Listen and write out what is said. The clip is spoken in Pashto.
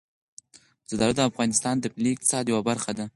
زردالو د افغانستان د ملي اقتصاد یوه برخه ده.